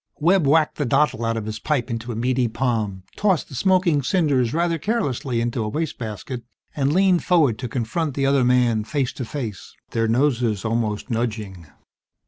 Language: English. Webb whacked the dottle out of his pipe into a meaty palm, tossed the smoking cinders rather carelessly into a waste basket, and leaned forward to confront the other man face to face, their noses almost nudging.